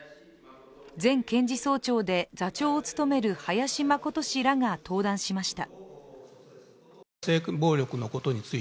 前検事総長で座長を務める林眞琴氏らが登壇しました。